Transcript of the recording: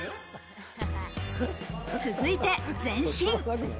続いて前進。